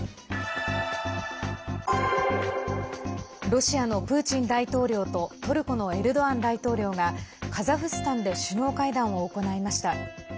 ロシアのプーチン大統領とトルコのエルドアン大統領がカザフスタンで首脳会談を行いました。